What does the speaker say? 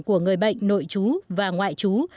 của người bệnh nội chú và ngoại chú